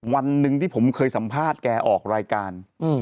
วันหนึ่งที่ผมเคยสัมภาษณ์แกออกรายการ